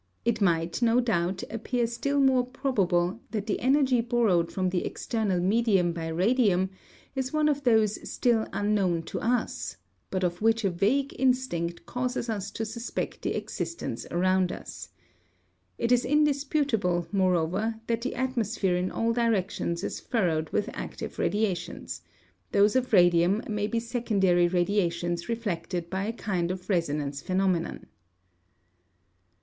It might, no doubt, appear still more probable that the energy borrowed from the external medium by radium is one of those still unknown to us, but of which a vague instinct causes us to suspect the existence around us. It is indisputable, moreover, that the atmosphere in all directions is furrowed with active radiations; those of radium may be secondary radiations reflected by a kind of resonance phenomenon.